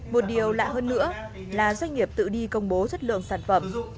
một điều lạ hơn nữa là doanh nghiệp tự đi công bố chất lượng sản phẩm